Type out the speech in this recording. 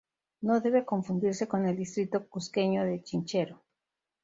No debe confundirse con el distrito cusqueño de Chinchero.